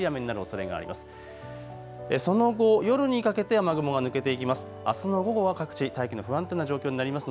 その後、夜にかけて雨雲が抜けていきます。